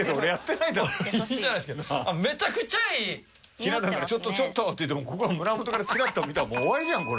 ひな壇から「ちょっとちょっと！」って言ってもここが胸元からチラッと見えたらもう終わりじゃんこれ。